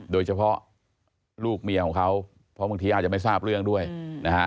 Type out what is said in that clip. โดยเฉพาะลูกเมียของเขาเพราะบางทีอาจจะไม่ทราบเรื่องด้วยนะฮะ